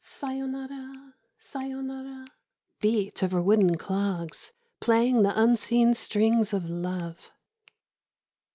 Sayonara, sayonara .•• Beat of her wooden clogs Playing the unseen strings of love